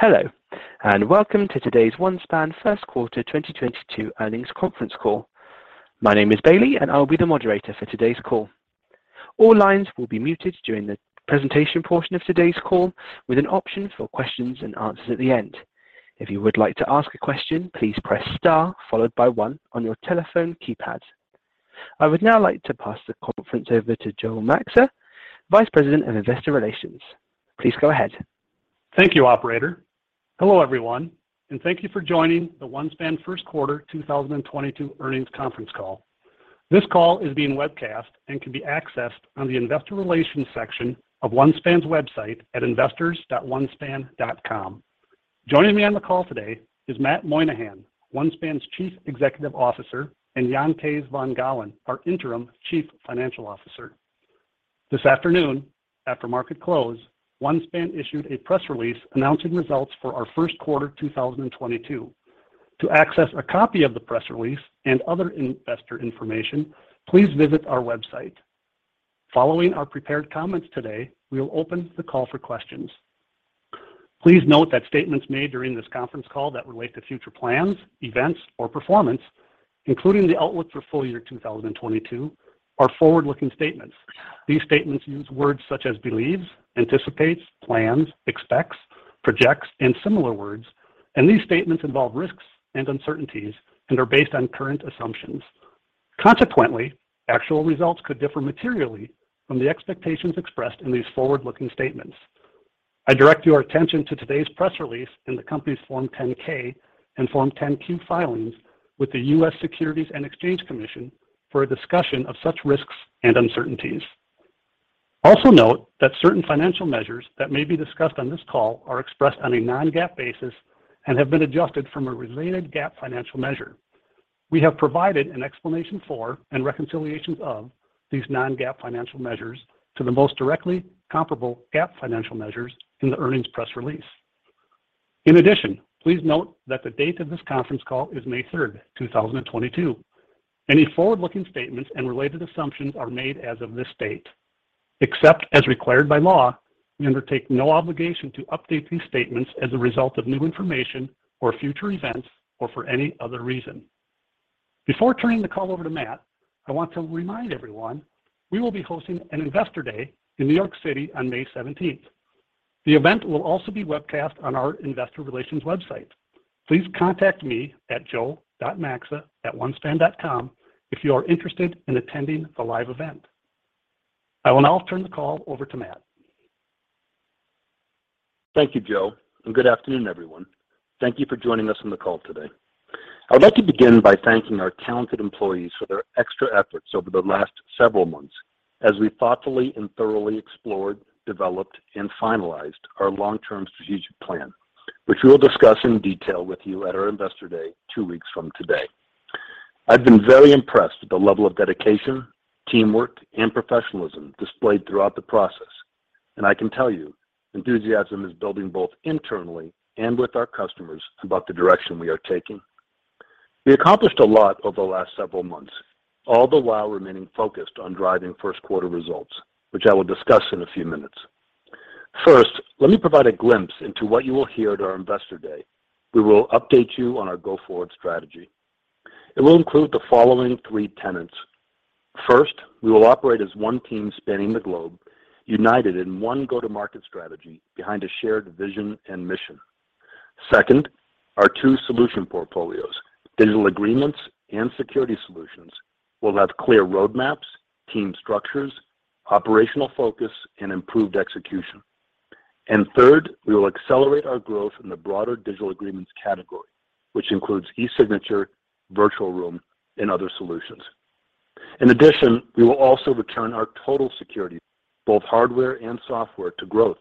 Hello, and welcome to today's OneSpan First Quarter 2022 Earnings Conference Call. My name is Bailey, and I'll be the Moderator for today's call. All lines will be muted during the presentation portion of today's call with an option for questions and answers at the end. If you would like to ask a question, please press star followed by one on your telephone keypad. I would now like to pass the conference over to Joe Maxa, Vice President of Investor Relations. Please go ahead. Thank you, operator. Hello, everyone, and thank you for joining the OneSpan First Quarter 2022 Earnings Conference Call. This call is being webcast and can be accessed on the investor relations section of OneSpan's website at investors.onespan.com. Joining me on the call today is Matt Moynahan, OneSpan's Chief Executive Officer, and Jan Kees van Gaalen, our Interim Chief Financial Officer. This afternoon, after market close, OneSpan issued a press release announcing results for our first quarter 2022. To access a copy of the press release and other Investor Information, please visit our website. Following our prepared comments today, we will open the call for questions. Please note that statements made during this conference call that relate to future plans, events or performance, including the outlook for full year 2022, are forward-looking statements. These statements use words such as believes, anticipates, plans, expects, projects, and similar words, and these statements involve risks and uncertainties and are based on current assumptions. Consequently, actual results could differ materially from the expectations expressed in these forward-looking statements. I direct your attention to today's press release in the company's Form 10-K and Form 10-Q filings with the U.S. Securities and Exchange Commission for a discussion of such risks and uncertainties. Also note that certain financial measures that may be discussed on this call are expressed on a non-GAAP basis and have been adjusted from a related GAAP financial measure. We have provided an explanation for and reconciliations of these non-GAAP financial measures to the most directly comparable GAAP financial measures in the earnings press release. In addition, please note that the date of this conference call is May 3rd, 2022. Any forward-looking statements and related assumptions are made as of this date. Except as required by law, we undertake no obligation to update these statements as a result of new information or future events or for any other reason. Before turning the call over to Matt, I want to remind everyone we will be hosting an Investor Day in New York City on May 17th. The event will also be webcast on our investor relations website. Please contact me at joe.maxa@onespan.com if you are interested in attending the live event. I will now turn the call over to Matt. Thank you, Joe, and good afternoon, everyone. Thank you for joining us on the call today. I would like to begin by thanking our talented employees for their extra efforts over the last several months as we thoughtfully and thoroughly explored, developed and finalized our long-term strategic plan, which we will discuss in detail with you at our Investor Day two weeks from today. I've been very impressed with the level of dedication, teamwork, and professionalism displayed throughout the process, and I can tell you enthusiasm is building both internally and with our customers about the direction we are taking. We accomplished a lot over the last several months, all the while remaining focused on driving first quarter results, which I will discuss in a few minutes. First, let me provide a glimpse into what you will hear at our Investor Day. We will update you on our go-forward strategy. It will include the following three tenets. First, we will operate as one team spanning the globe, united in one go-to-market strategy behind a shared vision and mission. Second, our two solution portfolios, digital agreements and security solutions, will have clear roadmaps, team structures, operational focus and improved execution. Third, we will accelerate our growth in the broader digital agreements category, which includes e-signature, Virtual Room and other solutions. In addition, we will also return our total security, both hardware and software, to growth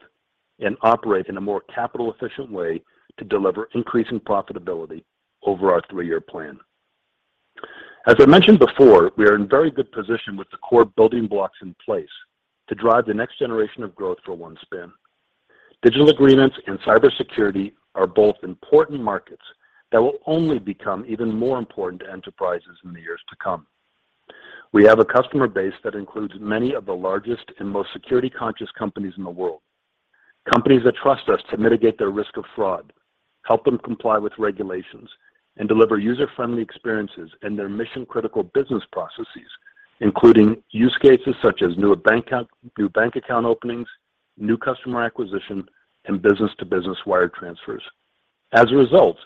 and operate in a more capital efficient way to deliver increasing profitability over our three-year plan. As I mentioned before, we are in very good position with the core building blocks in place to drive the next generation of growth for OneSpan. Digital agreements and cybersecurity are both important markets that will only become even more important to enterprises in the years to come. We have a customer base that includes many of the largest and most security conscious companies in the world, companies that trust us to mitigate their risk of fraud, help them comply with regulations, and deliver user-friendly experiences in their mission-critical business processes, including use cases such as new bank account openings, new customer acquisition, and business-to-business wire transfers. As a result,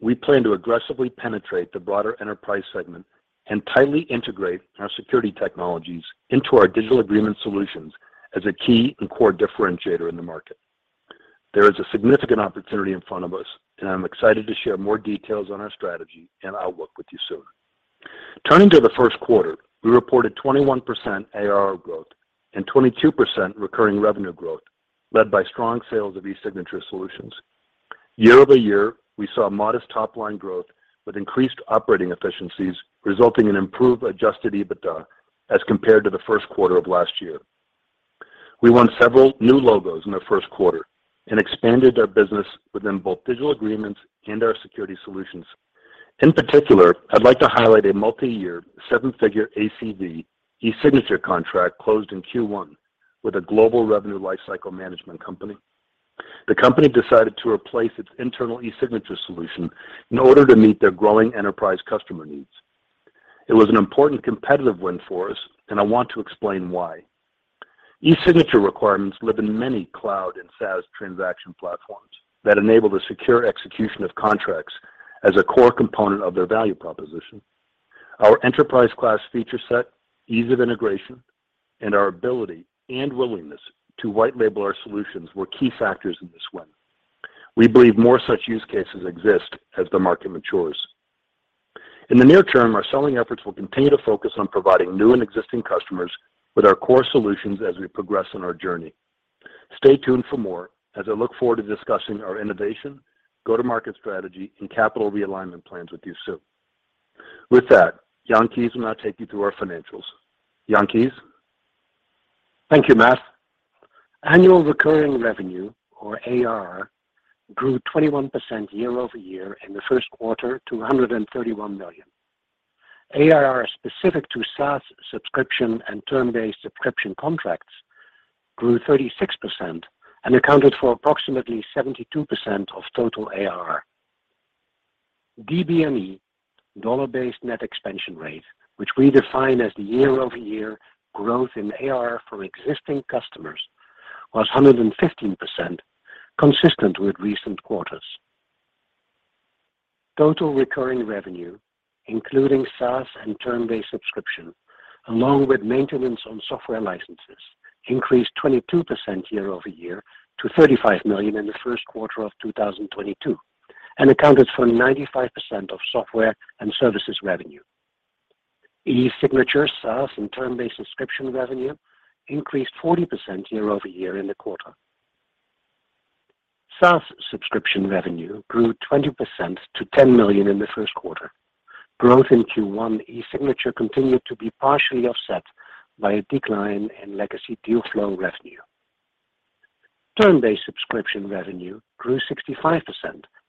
we plan to aggressively penetrate the broader enterprise segment and tightly integrate our security technologies into our digital agreement solutions as a key and core differentiator in the market. There is a significant opportunity in front of us, and I'm excited to share more details on our strategy and outlook with you soon. Turning to the first quarter, we reported 21% ARR growth and 22% recurring revenue growth led by strong sales of e-signature solutions. Year-over-year, we saw modest top line growth with increased operating efficiencies, resulting in improved adjusted EBITDA as compared to the first quarter of last year. We won several new logos in the first quarter and expanded our business within both digital agreements and our security solutions. In particular, I'd like to highlight a multi-year seven-figure ACV e-signature contract closed in Q1 with a global revenue lifecycle management company. The company decided to replace its internal e-signature solution in order to meet their growing enterprise customer needs. It was an important competitive win for us, and I want to explain why. E-signature requirements live in many cloud and SaaS transaction platforms that enable the secure execution of contracts as a core component of their value proposition. Our enterprise-class feature set, ease of integration, and our ability and willingness to white label our solutions were key factors in this win. We believe more such use cases exist as the market matures. In the near term, our selling efforts will continue to focus on providing new and existing customers with our core solutions as we progress on our journey. Stay tuned for more as I look forward to discussing our innovation, go-to-market strategy, and capital realignment plans with you soon. With that, Jan Kees will now take you through our financials. Jan Kees. Thank you, Matt. Annual recurring revenue, or ARR, grew 21% year-over-year in the first quarter to $131 million. ARR specific to SaaS subscription and term-based subscription contracts grew 36% and accounted for approximately 72% of total ARR. DBNER, dollar-based net expansion rate, which we define as the year-over-year growth in ARR for existing customers, was 115% consistent with recent quarters. Total recurring revenue, including SaaS and term-based subscription, along with maintenance on software licenses, increased 22% year-over-year to $35 million in the first quarter of 2022 and accounted for 95% of software and services revenue. e-signature, SaaS, and term-based subscription revenue increased 40% year-over-year in the quarter. SaaS subscription revenue grew 20% to $10 million in the first quarter. Growth in Q1 e-signature continued to be partially offset by a decline in legacy Dealflo revenue. Term-based subscription revenue grew 65%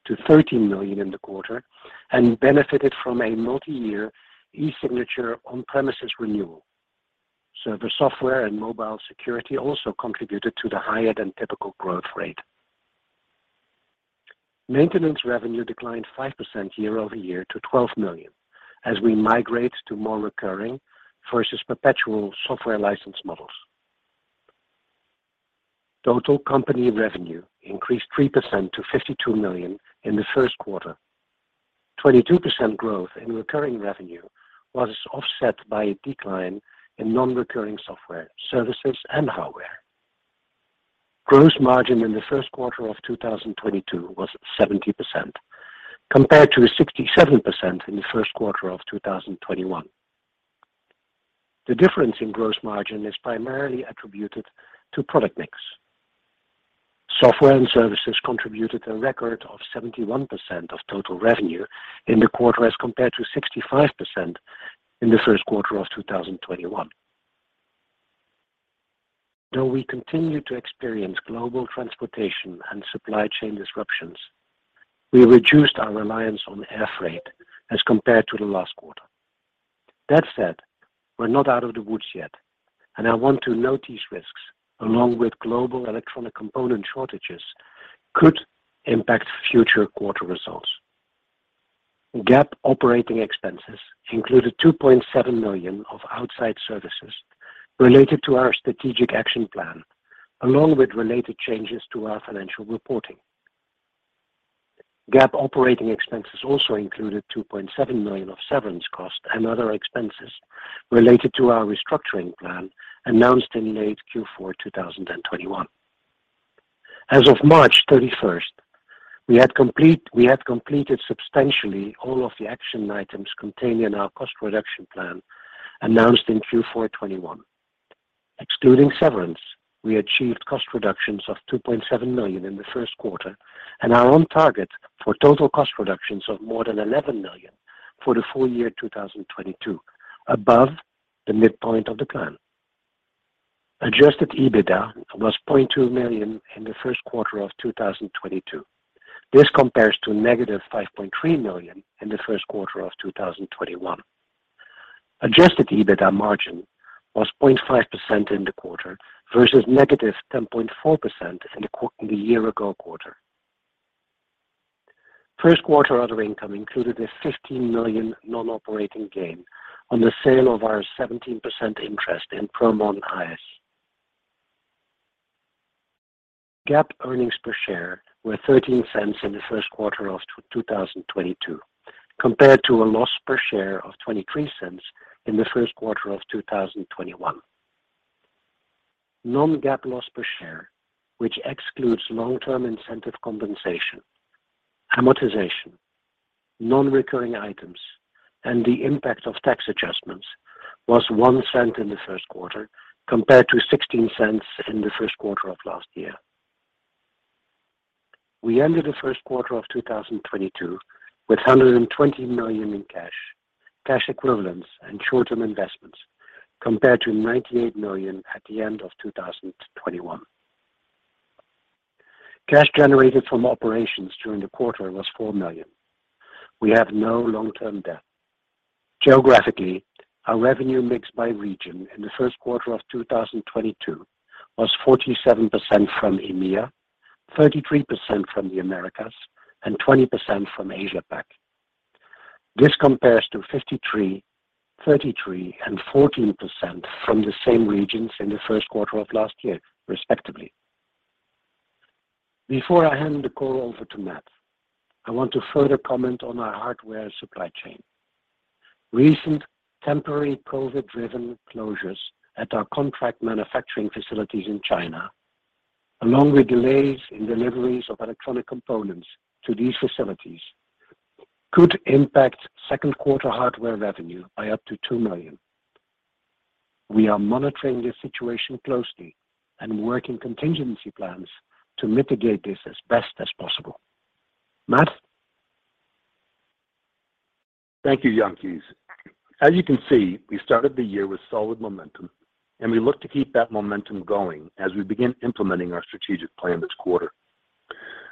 to $13 million in the quarter and benefited from a multi-year e-signature on-premises renewal. Server, software, and mobile security also contributed to the higher than typical growth rate. Maintenance revenue declined 5% year-over-year to $12 million as we migrate to more recurring versus perpetual software license models. Total company revenue increased 3% to $52 million in the first quarter. 22% growth in recurring revenue was offset by a decline in non-recurring software, services, and hardware. Gross margin in the first quarter of 2022 was 70% compared to 67% in the first quarter of 2021. The difference in gross margin is primarily attributed to product mix. Software and services contributed a record of 71% of total revenue in the quarter as compared to 65% in the first quarter of 2021. Though we continue to experience global transportation and supply chain disruptions, we reduced our reliance on air freight as compared to the last quarter. That said, we're not out of the woods yet, and I want to note these risks, along with global electronic component shortages, could impact future quarter results. GAAP operating expenses included $2.7 million of outside services related to our strategic action plan, along with related changes to our financial reporting. GAAP operating expenses also included $2.7 million of severance costs and other expenses related to our restructuring plan announced in late Q4 2021. As of March 31st, we had completed substantially all of the action items contained in our cost reduction plan announced in Q4 2021. Excluding severance, we achieved cost reductions of $2.7 million in the first quarter and are on target for total cost reductions of more than $11 million for the full year 2022, above the midpoint of the plan. Adjusted EBITDA was $0.2 million in the first quarter of 2022. This compares to -$5.3 million in the first quarter of 2021. Adjusted EBITDA margin was 0.5% in the quarter versus -10.4% in the year-ago quarter. First quarter other income included a $15 million non-operating gain on the sale of our 17% interest in Promon AS. GAAP earnings per share were $0.13 in the first quarter of 2022, compared to a loss per share of $0.23 in the first quarter of 2021. Non-GAAP loss per share, which excludes long-term incentive compensation, amortization, non-recurring items, and the impact of tax adjustments, was $0.01 in the first quarter compared to $0.16 in the first quarter of last year. We ended the first quarter of 2022 with $120 million in cash equivalents, and short-term investments compared to $98 million at the end of 2021. Cash generated from operations during the quarter was $4 million. We have no long-term debt. Geographically, our revenue mix by region in the first quarter of 2022 was 47% from EMEA, 33% from the Americas, and 20% from Asia-Pac. This compares to 53%, 33%, and 14% from the same regions in the first quarter of last year, respectively. Before I hand the call over to Matt, I want to further comment on our hardware supply chain. Recent temporary COVID-driven closures at our contract manufacturing facilities in China, along with delays in deliveries of electronic components to these facilities, could impact second quarter hardware revenue by up to $2 million. We are monitoring this situation closely and working contingency plans to mitigate this as best as possible. Matt? Thank you, Jan Kees. As you can see, we started the year with solid momentum, and we look to keep that momentum going as we begin implementing our strategic plan this quarter.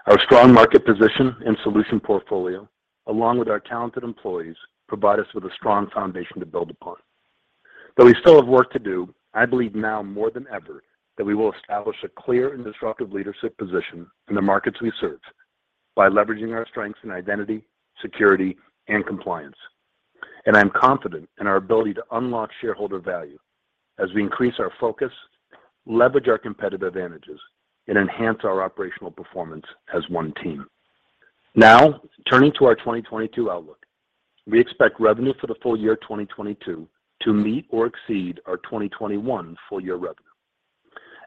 Our strong market position and solution portfolio, along with our talented employees, provide us with a strong foundation to build upon. Though we still have work to do, I believe now more than ever, that we will establish a clear and disruptive leadership position in the markets we serve by leveraging our Strengths in identity, Security, and Compliance. I am confident in our ability to unlock shareholder value as we increase our focus, leverage our competitive advantages, and enhance our operational performance as one team. Now, turning to our 2022 outlook. We expect revenue for the full year 2022 to meet or exceed our 2021 full year revenue.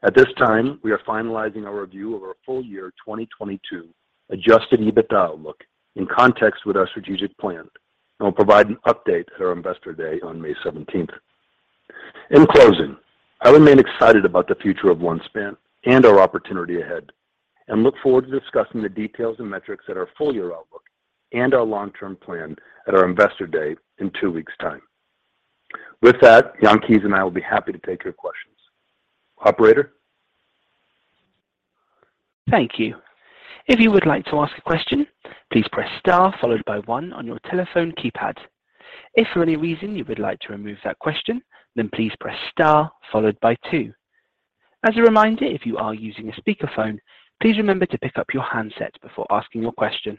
At this time, we are finalizing our review of our full year 2022 Adjusted EBITDA outlook in context with our strategic plan, and we'll provide an update at our Investor Day on May 17th. In closing, I remain excited about the future of OneSpan and our opportunity ahead, and look forward to discussing the details and metrics at our full-year outlook and our long-term plan at our Investor Day in two weeks time. With that, Jan Kees van Gaalen and I will be happy to take your questions. Operator? Thank you. If you would like to ask a question, please press star followed by one on your telephone keypad. If for any reason you would like to remove that question, then please press star followed by two. As a reminder, if you are using a speakerphone, please remember to pick up your handset before asking your question.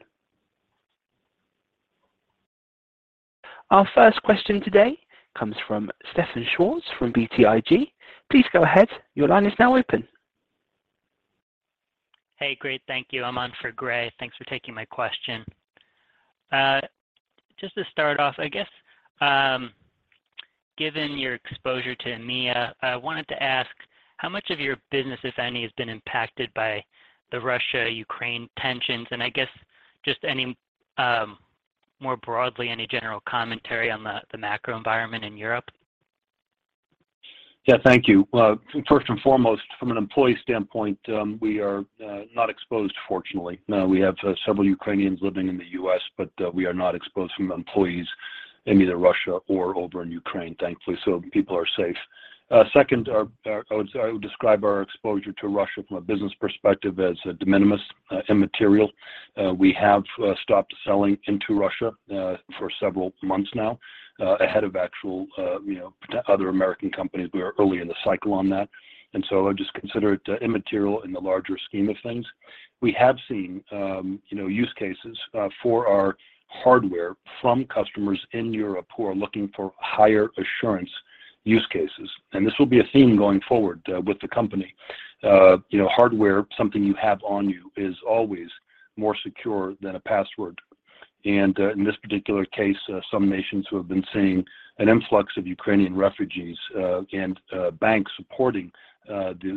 Our first question today comes from Stefan Schwarz from BTIG. Please go ahead. Your line is now open. Hey, great. Thank you. I'm on for Gray. Thanks for taking my question. Just to start off, I guess, given your exposure to EMEA, I wanted to ask how much of your business, if any, has been impacted by the Russia-Ukraine tensions? I guess just any, more broadly, any general commentary on the macro environment in Europe? Yeah, thank you. First and foremost, from an employee standpoint, we are not exposed, fortunately. We have several Ukrainians living in the U.S., but we are not exposed from employees in either Russia or over in Ukraine, thankfully. So people are safe. Second, I would describe our exposure to Russia from a business perspective as de minimis, immaterial. We have stopped selling into Russia for several months now, ahead of actual, you know, other American companies. We are early in the cycle on that. I just consider it immaterial in the larger scheme of things. We have seen, you know, use cases for our hardware from customers in Europe who are looking for higher assurance use cases, and this will be a theme going forward with the company. You know, hardware, something you have on you is always more secure than a password. In this particular case, some nations who have been seeing an influx of Ukrainian refugees, and banks supporting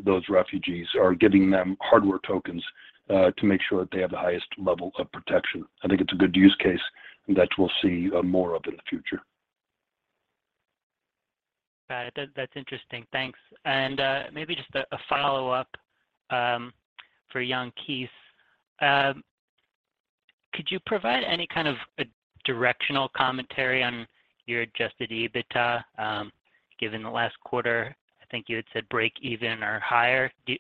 those refugees are giving them hardware tokens to make sure that they have the highest level of protection. I think it's a good use case that we'll see more of in the future. Got it. That's interesting. Thanks. Maybe just a follow-up for Jan Kees. Could you provide any kind of a directional commentary on your adjusted EBITDA given the last quarter? I think you had said break even or higher. Is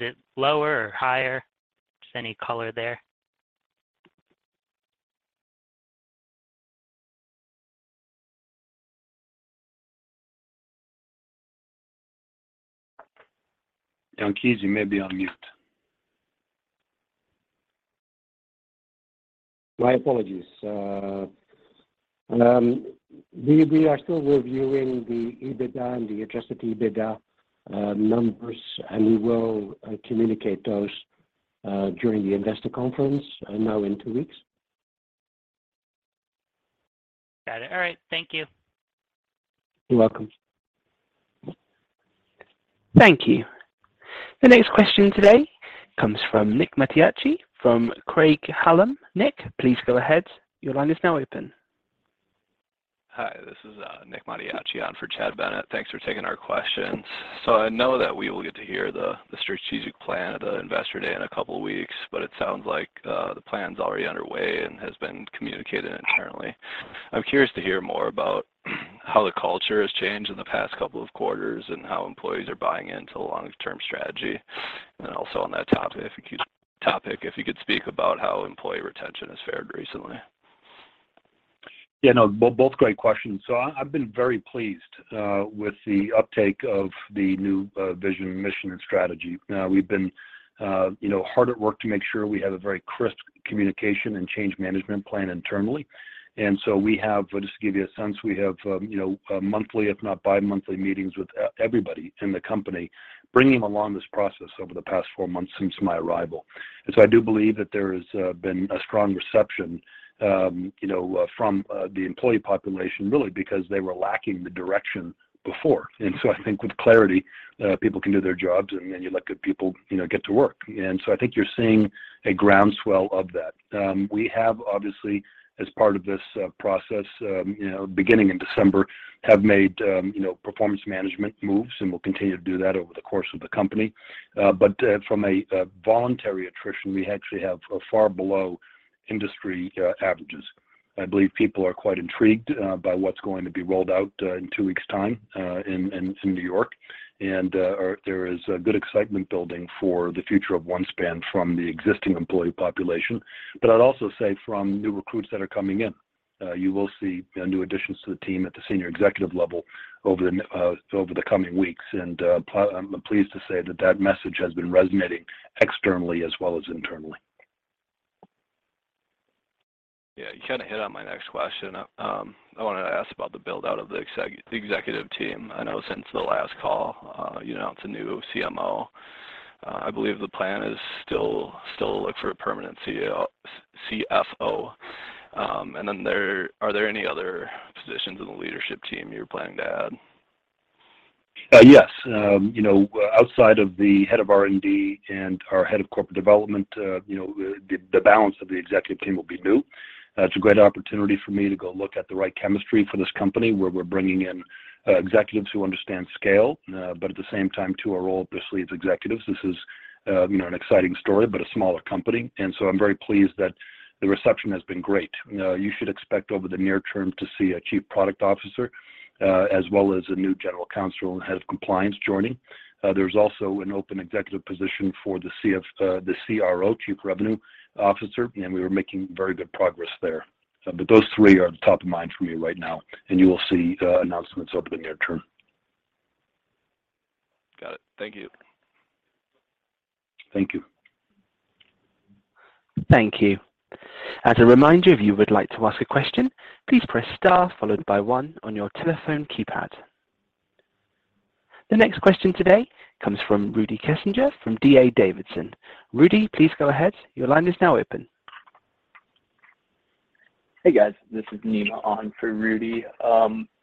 it lower or higher? Just any color there? Jan Kees, you may be on mute. My apologies. We are still reviewing the EBITDA and the Adjusted EBITDA numbers, and we will communicate those during the investor conference now in two weeks. Got it. All right. Thank you. You're welcome. Thank you. The next question today comes from Nick Mattiacci from Craig-Hallum. Nick, please go ahead. Your line is now open. Hi, this is Nick Mattiacci on for Chad Bennett. Thanks for taking our questions. I know that we will get to hear the strategic plan at Investor Day in a couple weeks, but it sounds like the plan's already underway and has been communicated internally. I'm curious to hear more about how the culture has changed in the past couple of quarters, and how employees are buying in to the long-term strategy. Also on that topic, if you could speak about how employee retention has fared recently. Yeah, no, both great questions. I've been very pleased with the uptake of the new vision, mission, and strategy. We've been, you know, hard at work to make sure we have a very crisp communication and change management plan internally. We have, just to give you a sense, monthly if not bi-monthly meetings with everybody in the company, bringing along this process over the past four months since my arrival. I do believe that there has been a strong reception from the employee population really because they were lacking the direction before. I think with clarity people can do their jobs, and then you let good people, you know, get to work. I think you're seeing a groundswell of that. We have, obviously, as part of this process, you know, beginning in December, have made, you know, performance management moves and will continue to do that over the course of the company. From a voluntary attrition, we actually have far below industry averages. I believe people are quite intrigued by what's going to be rolled out in two weeks' time in New York. There is a good excitement building for the future of OneSpan from the existing employee population. I'd also say from new recruits that are coming in, you will see, you know, new additions to the team at the senior executive level over the coming weeks. I'm pleased to say that that message has been resonating externally as well as internally. Yeah, you kinda hit on my next question. I wanted to ask about the build-out of the Executive Team. I know since the last call, you know, it's a new CMO. I believe the plan is still look for a permanent CFO. Are there any other positions in the leadership team you're planning to add? Yes. You know, outside of the head of R&D and our Head of Corporate Development, you know, the balance of the Executive Team will be new. It's a great opportunity for me to go look at the right chemistry for this company, where we're bringing in executives who understand scale, but at the same time to a role this Lead Executives. This is, you know, an exciting story, but a smaller company. I'm very pleased that the reception has been great. You should expect over the near term to see a Chief Product Officer, as well as a New General Counsel and Head of Compliance joining. There's also an open Executive position for the CRO, Chief Revenue Officer, and we are making very good progress there. Those three are top of mind for me right now, and you will see announcements over the near term. Got it. Thank you. Thank you. Thank you. As a reminder, if you would like to ask a question, please press star followed by one on your telephone keypad. The next question today comes from Rudy Kessinger from D.A. Davidson. Rudy, please go ahead. Your line is now open. Hey, guys. This is Nima on for Rudy.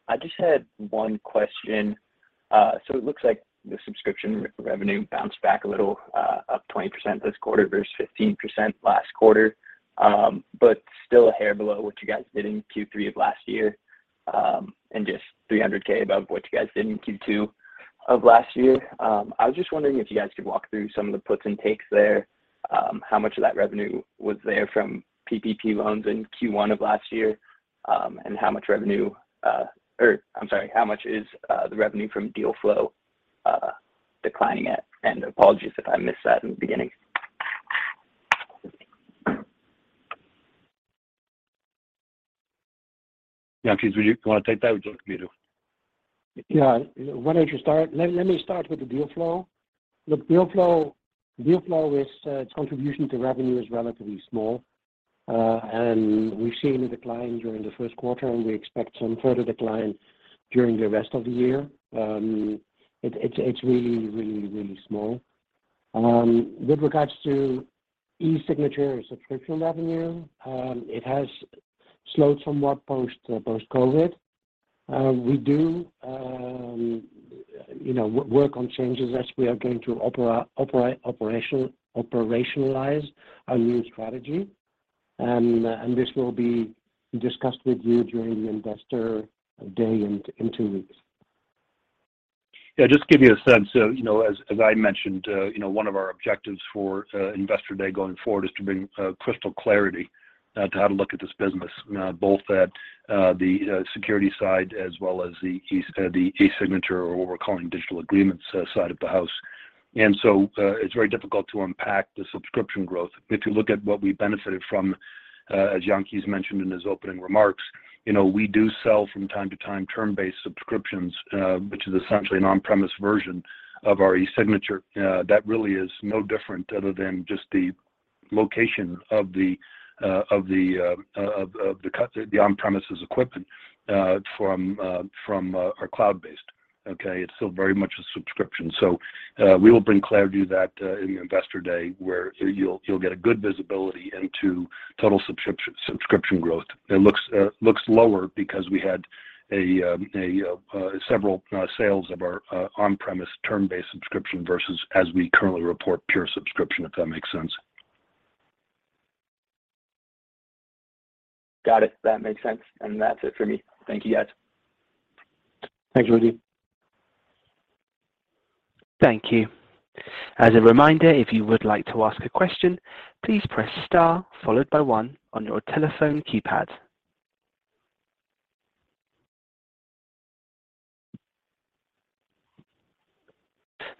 I just had one question. It looks like the subscription revenue bounced back a little, up 20% this quarter versus 15% last quarter, but still a hair below what you guys did in Q3 of last year, and just $300,000 above what you guys did in Q2 of last year. I was just wondering if you guys could walk through some of the puts and takes there. How much of that revenue was there from PPP loans in Q1 of last year? And how much is the revenue from Dealflo declining at? Apologies if I missed that in the beginning. Jan Kees, would you wanna take that or do you want me to? Yeah. Why don't you start? Let me start with the Dealflo. Look, Dealflo is its contribution to revenue is relatively small. We've seen a decline during the first quarter, and we expect some further decline during the rest of the year. It's really small. With regards to e-signature or subscription revenue, it has slowed somewhat post-COVID. We do you know work on changes as we are going to operationalize our new strategy. This will be discussed with you during the Investor Day in two weeks. Yeah, just to give you a sense, you know, as I mentioned, you know, one of our objectives for Investor Day going forward is to bring crystal clarity to how to look at this business, both at the security side as well as the e-signature or what we're calling digital agreements side of the house. It's very difficult to unpack the subscription growth. If you look at what we benefited from, as Jan Kees mentioned in his opening remarks, you know, we do sell from time to time term-based subscriptions, which is essentially an on-premises version of our e-signature. That really is no different other than just the location of the on-premises equipment from our cloud-based, okay? It's still very much a subscription. We will bring clarity to that in the Investor Day where you'll get a good visibility into total subscription growth. It looks lower because we had several sales of our on-premise term-based subscription versus as we currently report pure subscription, if that makes sense. Got it. That makes sense. That's it for me. Thank you, guys. Thanks, Rudy. Thank you. As a reminder, if you would like to ask a question, please press star followed by one on your telephone keypad.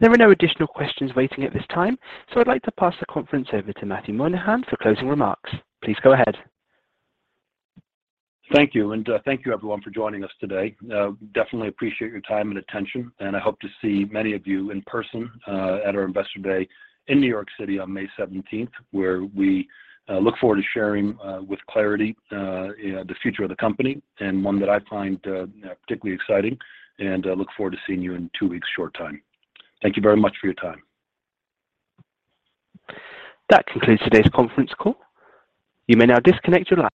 There are no additional questions waiting at this time, so I'd like to pass the conference over to Matthew Moynahan for closing remarks. Please go ahead. Thank you. Thank you everyone for joining us today. Definitely appreciate your time and attention, and I hope to see many of you in person at our Investor Day in New York City on May 17th, where we look forward to sharing with clarity the future of the company and one that I find particularly exciting, and I look forward to seeing you in two weeks' short time. Thank you very much for your time. That concludes today's conference call. You may now disconnect your line.